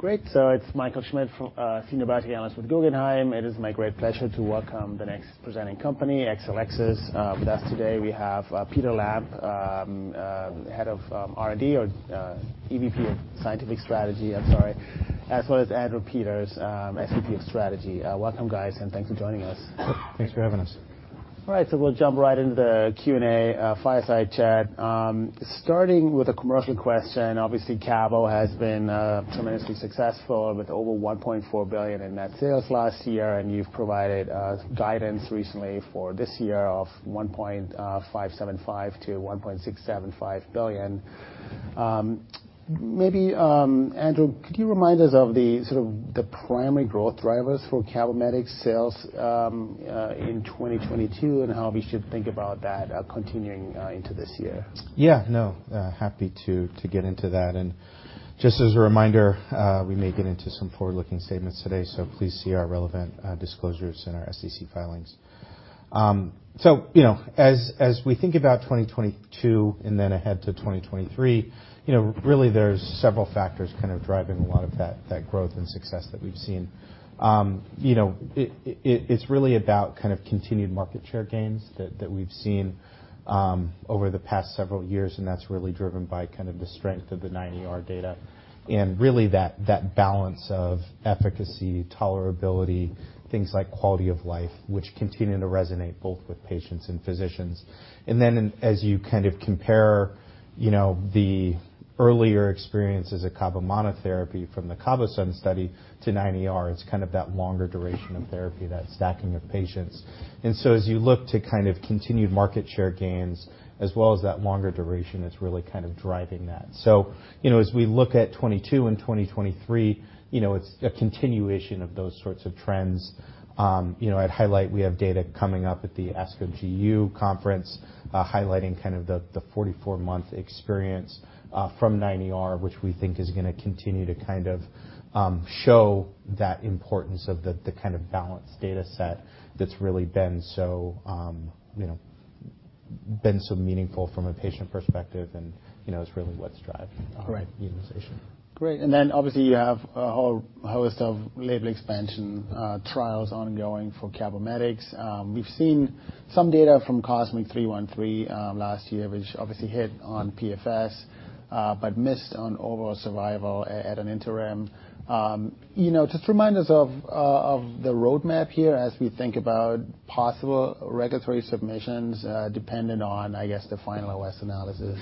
Great. It's Michael Schmidt from Senior Biology Analyst with Guggenheim. It is my great pleasure to welcome the next presenting company, Exelixis. With us today, we have Peter Lamb, Head of R&D or EVP of Scientific Strategy. I'm sorry. As well as Andrew Peters, SVP of Strategy. Welcome, guys, and thanks for joining us. Thanks for having us. All right, we'll jump right into the Q&A, fireside chat. Starting with a commercial question, obviously, cabo has been tremendously successful with over $1.4 billion in net sales last year, and you've provided guidance recently for this year of $1.575 billion-$1.675 billion. Maybe, Andrew, could you remind us of the sort of the primary growth drivers for CABOMETYX sales in 2022 and how we should think about that continuing into this year? Yeah, no, happy to get into that. Just as a reminder, we may get into some forward-looking statements today, so please see our relevant disclosures in our SEC filings. You know, as we think about 2022 and then ahead to 2023, you know, really there's several factors kind of driving a lot of that growth and success that we've seen. You know, it's really about kind of continued market share gains that we've seen over the past several years, and that's really driven by kind of the strength of the 9ER data. Really that balance of efficacy, tolerability, things like quality of life, which continue to resonate both with patients and physicians. As you kind of compare, you know, the earlier experiences of cabo monotherapy from the CABOSUN study to 9ER, it's kind of that longer duration of therapy, that stacking of patients. As you look to kind of continued market share gains as well as that longer duration, it's really kind of driving that. You know, as we look at 2022 and 2023, you know, it's a continuation of those sorts of trends. You know, at highlight, we have data coming up at the ASCO GU conference, highlighting kind of the 44-month experience from 9ER, which we think is going to continue to kind of show that importance of the kind of balanced data set that's really been so, you know, been so meaningful from a patient perspective and, you know, is really what's driving our utilization. Great. Obviously you have a whole host of label expansion, trials ongoing for CABOMETYX. We've seen some data from COSMIC-313, last year, which obviously hit on PFS, but missed on overall survival at an interim. you know, just remind us of the roadmap here as we think about possible regulatory submissions, depending on, I guess, the final OS analysis.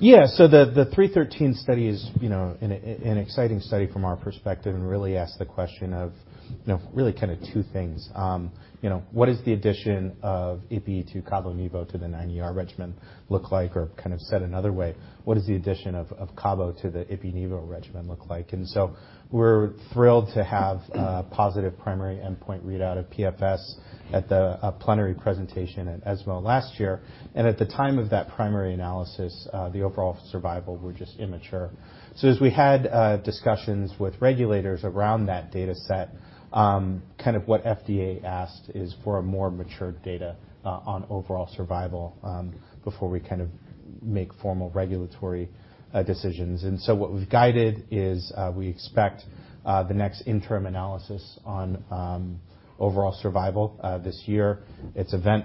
The 313 study is, you know, an exciting study from our perspective and really asks the question of, you know, really kind of two things. You know, what is the addition of ipi to cabo nivo to the 9ER regimen look like, or kind of said another way, what is the addition of cabo to the ipi nivo regimen look like? We're thrilled to have a positive primary endpoint readout of PFS at the plenary presentation at ESMO last year. At the time of that primary analysis, the overall survival were just immature. As we had discussions with regulators around that data set, kind of what FDA asked is for a more mature data on overall survival before we kind of make formal regulatory decisions. What we've guided is, we expect the next interim analysis on overall survival this year. It's event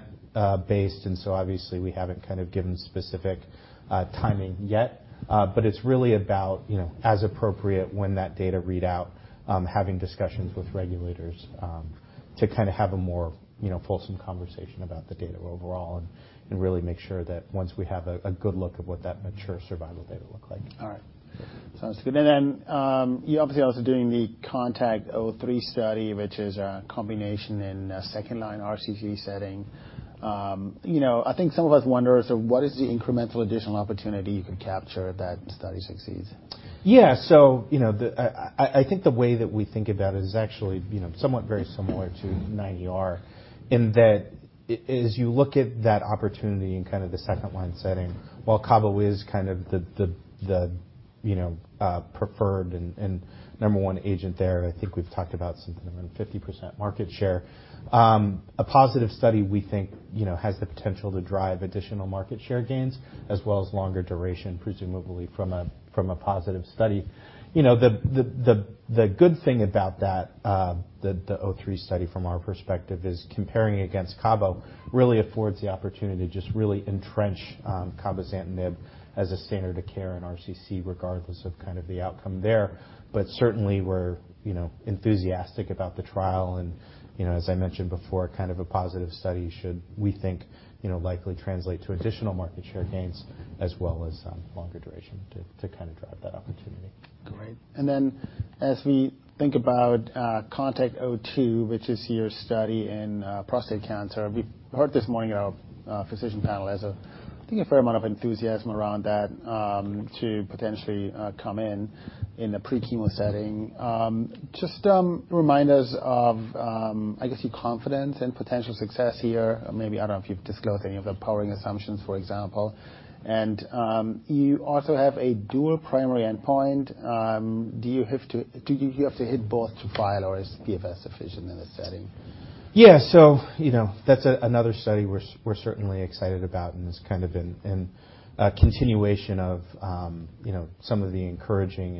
based, and so obviously we haven't kind of given specific timing yet. It's really about, you know, as appropriate when that data read out, having discussions with regulators, to kind of have a more, you know, fulsome conversation about the data overall and really make sure that once we have a good look of what that mature survival data look like. All right. Sounds good. You're obviously also doing the CONTACT-03 study, which is a combination in a second line RCC setting. You know, I think some of us wonder, what is the incremental additional opportunity you could capture if that study succeeds? Yeah. You know, I think the way that we think about it is actually, you know, somewhat very similar to 9ER in that as you look at that opportunity in kind of the second line setting, while cabo is the, you know, preferred and number one agent there, I think we've talked about something around 50% market share, a positive study we think, you know, has the potential to drive additional market share gains as well as longer duration, presumably from a positive study. You know, the good thing about that, the 03 study from our perspective is comparing against cabo really affords the opportunity to just really entrench cabozantinib as a standard of care in RCC regardless of kind of the outcome there. Certainly we're, you know, enthusiastic about the trial and, you know, as I mentioned before, kind of a positive study should we think, you know, likely translate to additional market share gains as well as, longer duration to kind of drive that opportunity. Great. As we think about CONTACT-02, which is your study in prostate cancer, we heard this morning at our physician panel as a, I think, a fair amount of enthusiasm around that to potentially come in in a pre-chemo setting. Just remind us of I guess your confidence and potential success here. Maybe, I don't know if you've disclosed any of the powering assumptions, for example. You also have a dual primary endpoint. Do you have to hit both to file or is PFS sufficient in that setting? Yeah. You know, that's another study we're certainly excited about, and it's kind of in continuation of, you know, some of the encouraging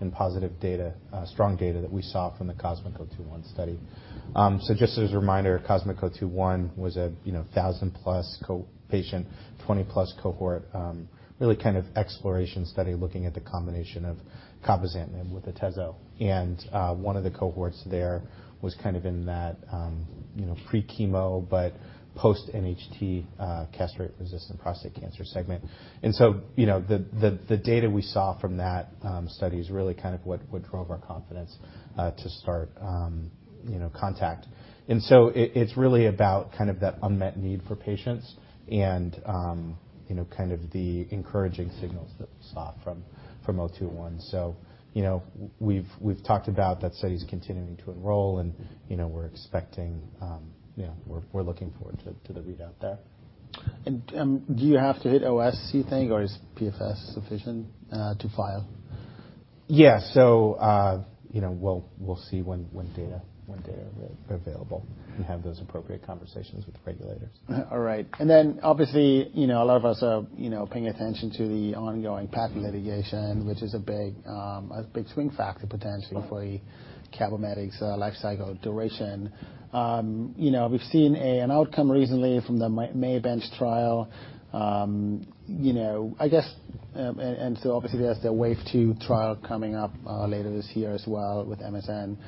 and positive data, strong data that we saw from the COSMIC-021 study. Just as a reminder, COSMIC-021 was a, you know, 1,000-plus co-patient, 20-plus cohort, really kind of exploration study looking at the combination of cabozantinib with atezo. One of the cohorts there was kind of in that, you know, pre-chemo but post-NHT, castration-resistant prostate cancer segment. You know, the data we saw from that study is really kind of what drove our confidence to start, you know, CONTACT. It's really about kind of that unmet need for patients and, you know, kind of the encouraging signals that we saw from COSMIC-021. You know, we've talked about that study's continuing to enroll and, you know, we're expecting, you know, we're looking forward to the readout there. Do you have to hit OS, you think, or is PFS sufficient to file? Yeah. you know, we'll see when data are available and have those appropriate conversations with the regulators. All right. Obviously, you know, a lot of us are, you know, paying attention to the ongoing patent litigation, which is a big, a big swing factor potentially for the CABOMETYX lifecycle duration. You know, we've seen an outcome recently from the May bench trial. You know, obviously there's the wave two trial coming up later this year as well with MSD.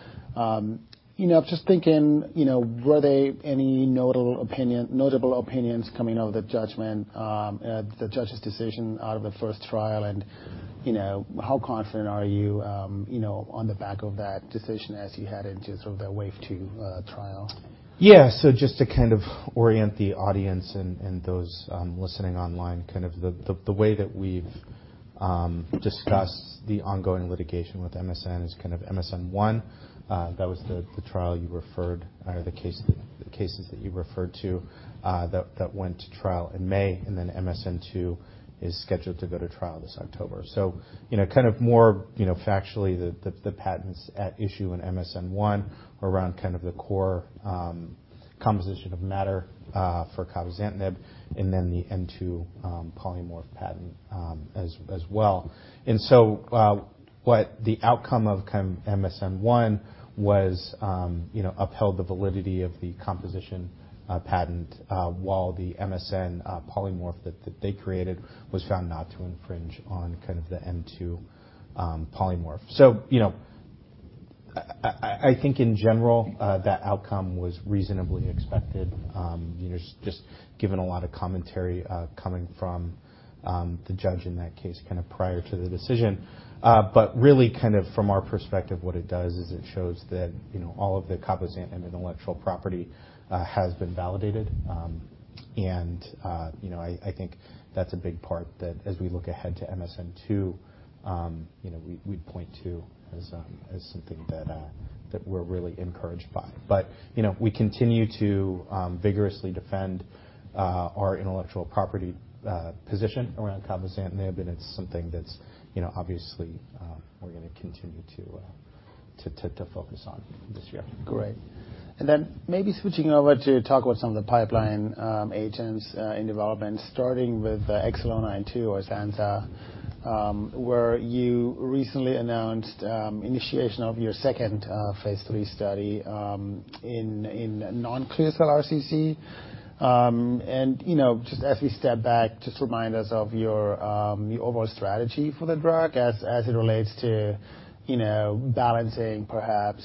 You know, just thinking, you know, were there any notable opinions coming out of the judgment, the judge's decision out of the first trial and, you know, how confident are you know, on the back of that decision as you head into sort of the wave two trial? Just to kind of orient the audience and those listening online, kind of the way that we've discussed the ongoing litigation with MSD is kind of MSD I, that was the trial you referred or the cases that you referred to, that went to trial in May, and then MSD II is scheduled to go to trial this October. You know, kind of more, you know, factually the patents at issue in MSD I around kind of the core composition of matter for cabozantinib and then the M2 polymorph patent as well. What the outcome of kind of MSN I was, you know, upheld the validity of the composition patent, while the MSN polymorph that they created was found not to infringe on kind of the N-2 polymorph. You know, I, I think in general, that outcome was reasonably expected, you know, just given a lot of commentary coming from the judge in that case kind of prior to the decision. Really kind of from our perspective, what it does is it shows that, you know, all of the cabozantinib intellectual property has been validated. And, you know, I think that's a big part that as we look ahead to MSN II, you know, we'd point to as something that we're really encouraged by. You know, we continue to vigorously defend our intellectual property position around cabozantinib, and it's something that's, you know, obviously, we're gonna continue to focus on this year. Great. Maybe switching over to talk about some of the pipeline agents in development, starting with XL092 or zanza, where you recently announced initiation of your second phase 3 study in non-clear cell RCC. You know, just as we step back, just remind us of your overall strategy for the drug as it relates to, you know, balancing perhaps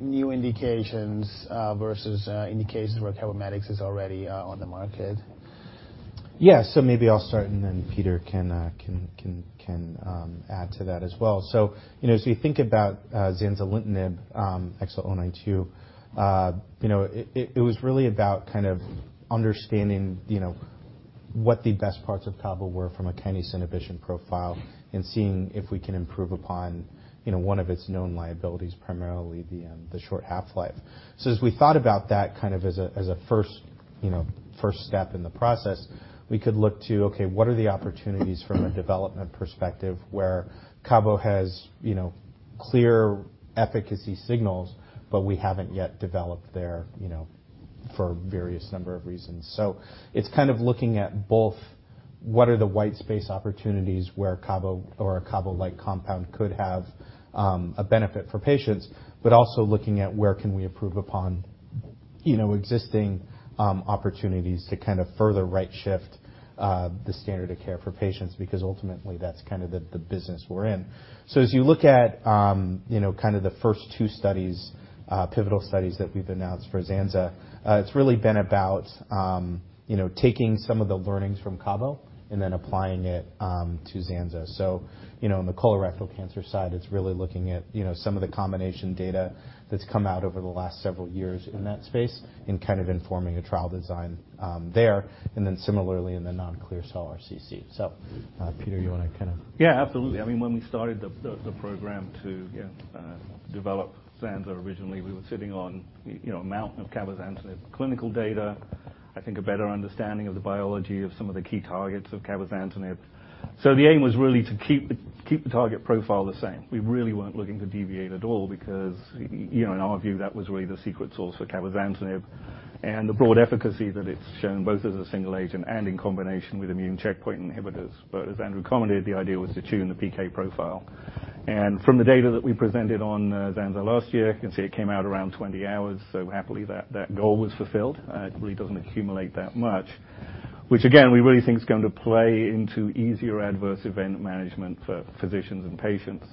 new indications versus indications where CABOMETYX is already on the market. Yeah. Maybe I'll start, and then Peter can add to that as well. You know, as you think about zanzalintinib, XL092, you know, it was really about kind of understanding, you know, what the best parts of cabo were from a kinase inhibition profile and seeing if we can improve upon, you know, one of its known liabilities, primarily the short half-life. As we thought about that kind of as a, as a first, you know, first step in the process, we could look to, okay, what are the opportunities from a development perspective where cabo has, you know, clear efficacy signals, but we haven't yet developed there, you know, for various number of reasons. It's kind of looking at both what are the white space opportunities where Cabo or a Cabo-like compound could have a benefit for patients, but also looking at where can we improve upon. You know, existing opportunities to kind of further right shift the standard of care for patients because ultimately that's kind of the business we're in. As you look at, you know, kind of the first two studies, pivotal studies that we've announced for Zanza, it's really been about, you know, taking some of the learnings from cabo and then applying it to Zanza. You know, in the colorectal cancer side, it's really looking at, you know, some of the combination data that's come out over the last several years in that space and kind of informing a trial design there. Similarly in the non-clear cell RCC. Peter, you wanna kind of. Yeah, absolutely. I mean, when we started the program to, you know, develop Zanza, originally, we were sitting on, you know, a mountain of cabozantinib clinical data. I think a better understanding of the biology of some of the key targets of cabozantinib. The aim was really to keep the target profile the same. We really weren't looking to deviate at all because, you know, in our view, that was really the secret sauce for cabozantinib and the broad efficacy that it's shown, both as a single agent and in combination with immune checkpoint inhibitors. As Andrew commented, the idea was to tune the PK profile. From the data that we presented on Zanza last year, you can see it came out around 20 hours, so happily, that goal was fulfilled. It really doesn't accumulate that much, which again, we really think is going to play into easier adverse event management for physicians and patients.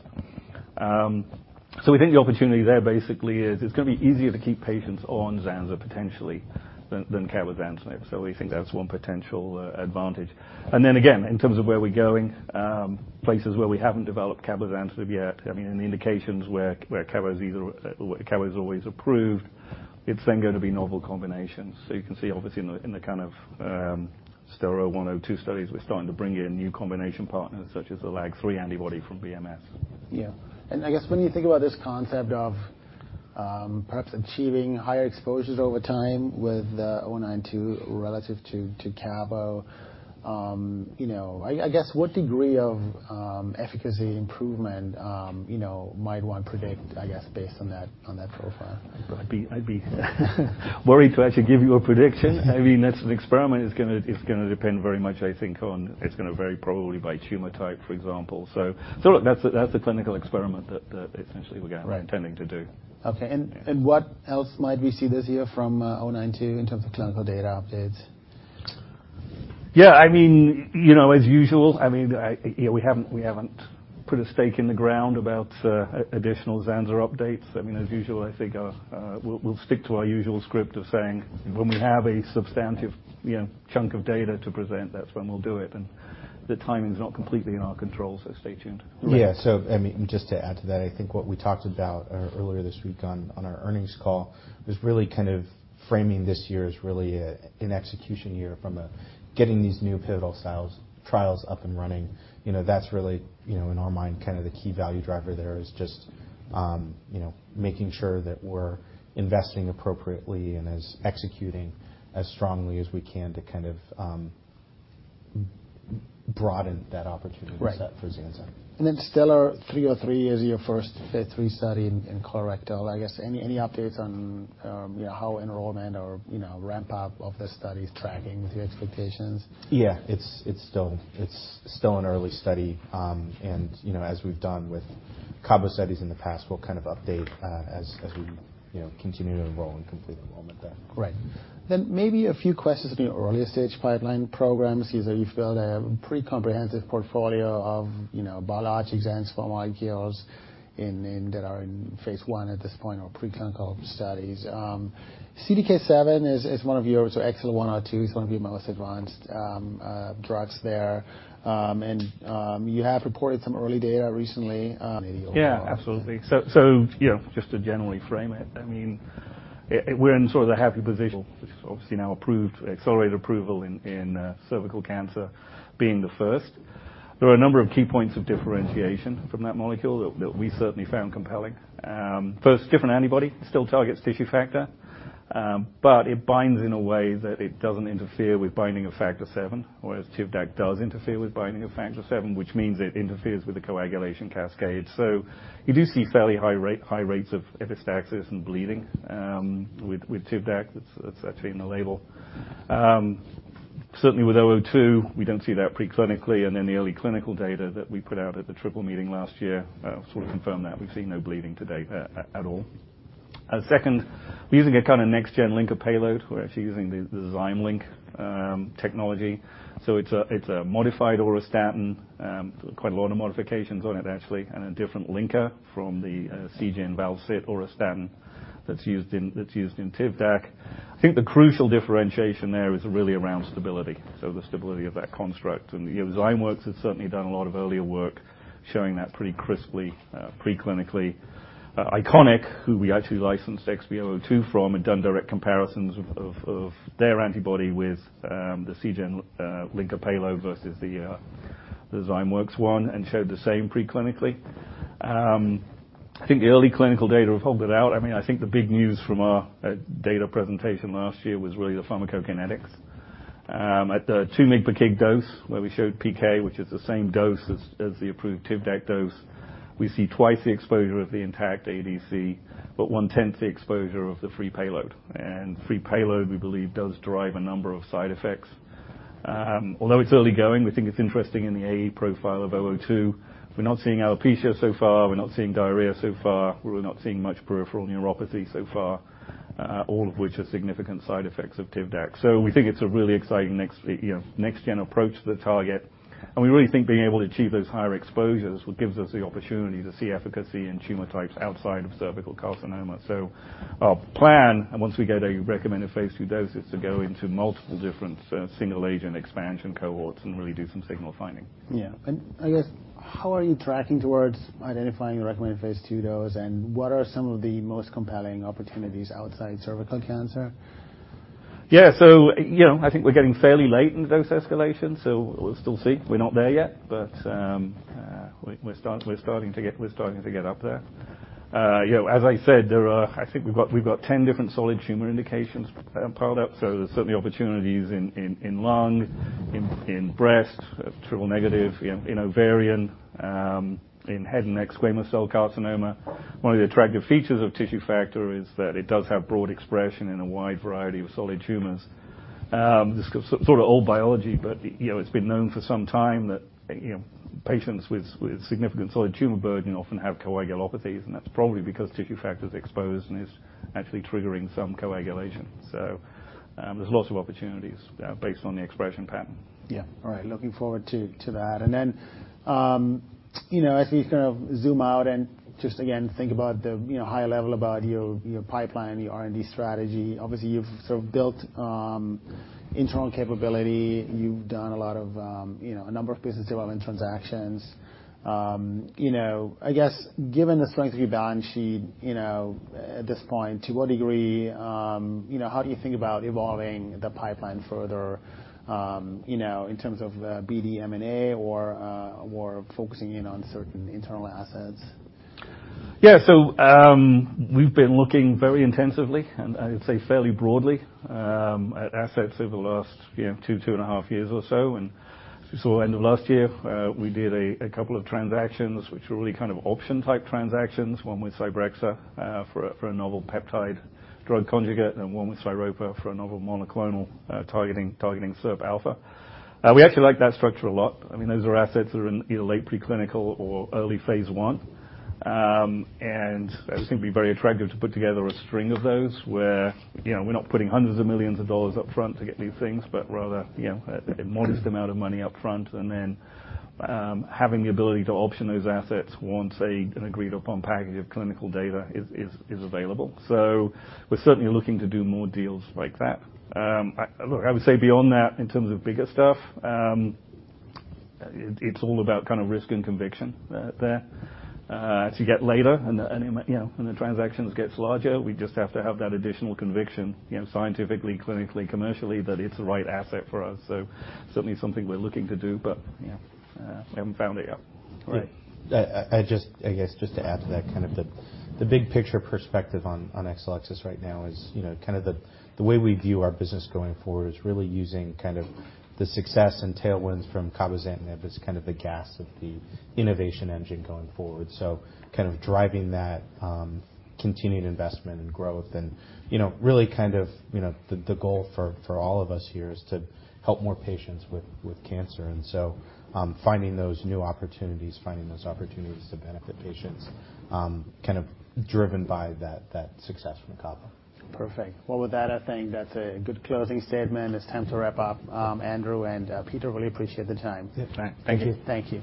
We think the opportunity there basically is it's gonna be easier to keep patients on Zanza potentially than cabozantinib. We think that's one potential advantage. In terms of where we're going, places where we haven't developed cabozantinib yet, I mean, in the indications where cabo's either, where cabo is always approved, it's then gonna be novel combinations. You can see obviously in the, in the kind of, STELLAR-002 studies, we're starting to bring in new combination partners, such as the LAG-3 antibody from BMS. Yeah. I guess when you think about this concept of, perhaps achieving higher exposures over time with 092 relative to cabo, you know, I guess, what degree of efficacy improvement, you know, might one predict, I guess, based on that profile? I'd be worried to actually give you a prediction. I mean, that's an experiment. It's gonna depend very much, I think, on. It's gonna vary probably by tumor type, for example. Look, that's a clinical experiment that essentially. Right. -intending to do. Okay. What else might we see this year from XL092 in terms of clinical data updates? Yeah, I mean, you know, as usual, I mean, I, you know, we haven't put a stake in the ground about additional Zanza updates. I mean, as usual, I think our, we'll stick to our usual script of saying when we have a substantive, you know, chunk of data to present, that's when we'll do it. The timing's not completely in our control, so stay tuned. Right. Yeah. I mean, just to add to that, I think what we talked about earlier this week on our earnings call is really kind of framing this year as really a, an execution year from a getting these new pivotal styles, trials up and running. You know, that's really, you know, in our mind, kind of the key value driver there is just, you know, making sure that we're investing appropriately and executing as strongly as we can to kind of broaden that opportunity. Right. Set for Zanza. STELLAR-303 is your first phase III study in colorectal. I guess, any updates on, you know, how enrollment or, you know, ramp up of the study is tracking with your expectations? Yeah. It's still an early study. You know, as we've done with cabo studies in the past, we'll kind of update as we, you know, continue to enroll and complete enrollment there. Right. Maybe a few questions on your earlier stage pipeline programs. You said you've built a pretty comprehensive portfolio of, you know, biologics and small molecules and that are in phase I at this point or preclinical studies. CDK7 is one of your, so XL102 is one of your most advanced drugs there. You have reported some early data recently. Yeah, absolutely. You know, just to generally frame it, I mean, it, we're in sort of the happy position which is obviously now approved, accelerated approval in cervical cancer being the first. There are a number of key points of differentiation from that molecule that we certainly found compelling. First, different antibody. Still targets tissue factor, but it binds in a way that it doesn't interfere with binding of factor VII, whereas Tivdak does interfere with binding of factor VII, which means it interferes with the coagulation cascade. You do see fairly high rates of epistaxis and bleeding with Tivdak. It's actually in the label. Certainly with XB002, we don't see that preclinically. Then the early clinical data that we put out at the Triple Meeting last year, sort of confirmed that. We've seen no bleeding to date at all. Second, we're using a kinda next-gen linker payload. We're actually using the ZymeLink technology. It's a modified auristatin. Quite a lot of modifications on it actually, and a different linker from the Seagen val-cit auristatin that's used in Tivdak. I think the crucial differentiation there is really around stability, so the stability of that construct. You know, Zymeworks has certainly done a lot of earlier work showing that pretty crisply preclinically. Ikonics, who we actually licensed XB002 from, had done direct comparisons of their antibotdy with the Seagen linker payload versus the Zymeworks one and showed the same preclinically. I think the early clinical data will hold it out. I mean, I think the big news from our data presentation last year was really the pharmacokinetics. At the 2 mg/kg dose where we showed PK, which is the same dose as the approved Tivdakdose, we see twice the exposure of the intact ADC, but 1/10 the exposure of the free payload. Free payload, we believe, does drive a number of side effects. Although it's early going, we think it's interesting in the AE profile of XB002. We're not seeing alopecia so far, we're not seeing diarrhea so far. We're not seeing much peripheral neuropathy so far, all of which are significant side effects of Tivdak. We think it's a really exciting next, you know, next-gen approach to the target, and we really think being able to achieve those higher exposures gives us the opportunity to see efficacy in tumor types outside of cervical carcinoma. Our plan, and once we get a recommended phase 2 dose, is to go into multiple different single agent expansion cohorts and really do some signal finding. Yeah. I guess how are you tracking towards identifying the recommended phase 2 dose, and what are some of the most compelling opportunities outside cervical cancer? Yeah. You know, I think we're getting fairly late in dose escalation, so we'll still see. We're not there yet, but we're starting to get up there. You know, as I said, there are, I think we've got 10 different solid tumor indications piled up. There's certainly opportunities in, in lung, in breast, triple negative, in ovarian, in head and neck squamous cell carcinoma. One of the attractive features of tissue factor is that it does have broad expression in a wide variety of solid tumors. This sort of old biology, but, you know, it's been known for some time that, you know, patients with significant solid tumor burden often have coagulopathies. That's probably because tissue factor's exposed and is actually triggering some coagulation. There's lots of opportunities, based on the expression pattern. Yeah. All right. Looking forward to that. Then, you know, as we kind of zoom out and just again think about the, you know, high level about your pipeline, your R&D strategy. Obviously you've sort of built internal capability. You've done a lot of, you know, a number of business development transactions. You know, I guess given the strength of your balance sheet, you know, at this point, to what degree, you know, how do you think about evolving the pipeline further, you know, in terms of BD M&A or focusing in on certain internal assets? We've been looking very intensively and I'd say fairly broadly at assets over the last, you know, 2.5 years or so. End of last year, we did a couple of transactions which were really kind of option type transactions. One with Cybrexa for a novel peptide drug conjugate, and one with Sairo for a novel monoclonal targeting SIRPα. We actually like that structure a lot. I mean, those are assets that are in either late preclinical or early phase 1. I think it'd be very attractive to put together a string of those where, you know, we're not putting $hundreds of millions of dollars up front to get these things, but rather, you know, a modest amount of money up front and then, having the ability to option those assets once an agreed upon package of clinical data is available. We're certainly looking to do more deals like that. I would say beyond that, in terms of bigger stuff, it's all about kind of risk and conviction there. As you get later and, you know, when the transactions gets larger, we just have to have that additional conviction, you know, scientifically, clinically, commercially, that it's the right asset for us. Certainly something we're looking to do, but, you know, haven't found it yet. All right. I just, I guess just to add to that, kind of the big picture perspective on Exelixis right now is, you know, kind of the way we view our business going forward is really using kind of the success and tailwinds from Cabozantinib as kind of the gas of the innovation engine going forward. kind of driving that continued investment and growth and, you know, really kind of, you know, the goal for all of us here is to help more patients with cancer. finding those new opportunities, finding those opportunities to benefit patients, kind of driven by that success from Cabo. Perfect. Well, with that, I think that's a good closing statement. It's time to wrap up. Andrew and Peter, really appreciate the time. Yeah. Thank you. Thank you.